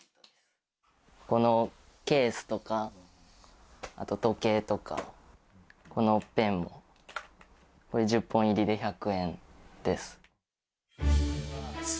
このケースとか、あと時計とか、このペンも、これ１０本入りで１００円です。